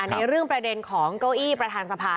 ในเรื่องประเด็นของเก้าอี้ประธานสภา